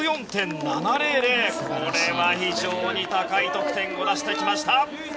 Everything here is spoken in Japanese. これは非常に高い得点を出してきました。